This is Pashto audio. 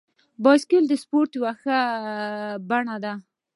بایسکل د سپورت یوه بڼه ده.